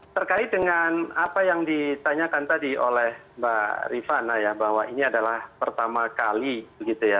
terkait dengan apa yang ditanyakan tadi oleh mbak rifana ya bahwa ini adalah pertama kali begitu ya